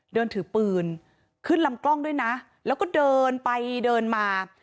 เดินถือปืนขึ้นลำกล้องด้วยนะแล้วก็เดินไปเดินมา